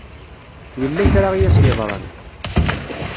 Yella kra i as-yeḍran.